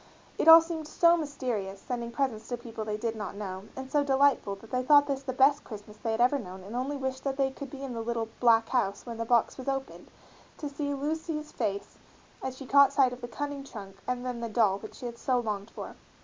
It all seemed so mysterious, sending presents to people they did not know, and so delightful, that they thought this the best Christmas they had ever known and only wished that they could be in the little "black house" when the box was opened, to see Lucy's face as she caught sight of the cunning trunk and then the doll which she had so longed for.